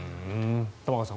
玉川さん